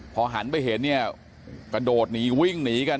พอหันไปเห็นเนี่ยกระโดดหนีวิ่งหนีกัน